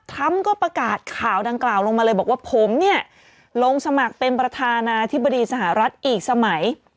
ก็ประกาศข่าวดังกล่าวลงมาเลยบอกว่าผมเนี่ยลงสมัครเป็นประธานาธิบดีสหรัฐอีกสมัย